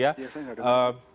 iya saya tidak